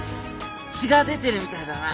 血が出てるみたいだな。